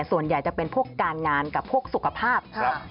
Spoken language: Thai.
ส่วนใหญ่จะเป็นพวกการงานกับพวกสุขภาพ